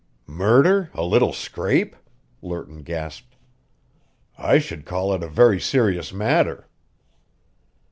"Murder, a little scrape?" Lerton gasped. "I should call it a very serious matter."